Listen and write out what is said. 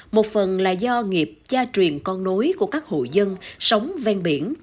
một phần là do nghiệp cha truyền con nối của các hộ dân sống ven biển